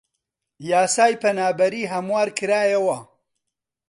یاسای پەنابەری هەموار کرایەوە